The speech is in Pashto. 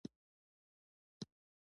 که څه هم نوموړي يو نيم ساعت وينا وکړه.